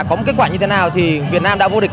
có một kết quả như thế nào thì việt nam đã vô địch